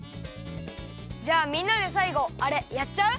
じゃあみんなでさいごあれやっちゃう！？